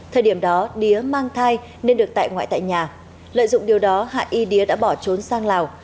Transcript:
thời điểm đó đía mang thai nên được tại ngoại tại nhà lợi dụng điều đó hạ y đía đã bỏ trốn sang lào